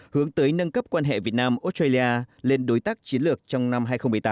hướng tới nâng cấp quan hệ việt nam australia lên đối tác chiến lược trong năm hai nghìn một mươi tám